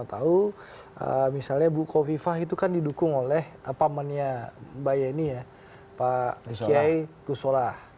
kita tahu misalnya bu kofifah itu kan didukung oleh pamannya mbak yeni ya pak kiai gusola